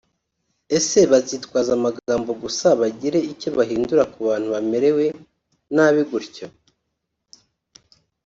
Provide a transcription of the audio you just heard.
Ese bazitwaza amagambo gusa bagire icyo bahindura ku bantu bamerewe nabi gutyo